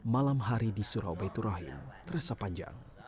malam hari di surau baitur rahim terasa panjang